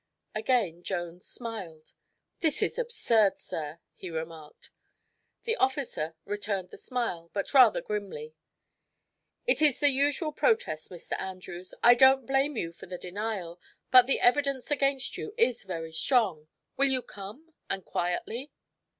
Again Jones smiled. "This is absurd, sir," he remarked. The officer returned the smile, but rather grimly. "It is the usual protest, Mr. Andrews. I don't blame you for the denial, but the evidence against you is very strong. Will you come? And quietly?"